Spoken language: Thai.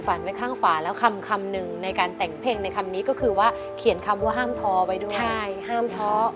ความฝันที่เราเฝ้ารอลูกขอพยายามทรงมือ